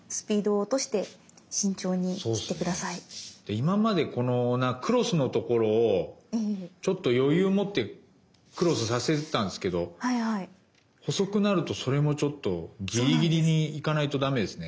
今までこのクロスのところをちょっと余裕持ってクロスさせてたんですけど細くなるとそれもちょっとぎりぎりに行かないとダメですね。